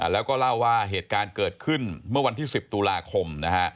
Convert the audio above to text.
แล้วก็เล่าว่าเหตุการณ์เกิดขึ้นเมื่อวันที่๑๐ตุลาคม